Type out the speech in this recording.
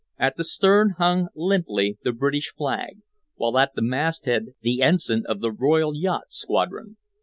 At the stern hung limply the British flag, while at the masthead the ensign of the Royal Yacht Squadron.